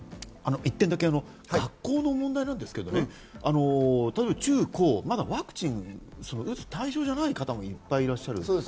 １点だけ、学校の問題ですけど、例えば中・高、まだワクチンを打つ対象じゃない方もいっぱいいらっしゃる。